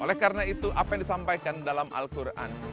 oleh karena itu apa yang disampaikan dalam al quran